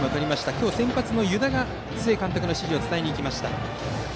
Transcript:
今日、先発の湯田が須江監督の指示を伝えました。